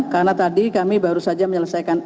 karena tadi kami baru saja menyelesaikan